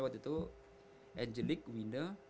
waktu itu angelique winner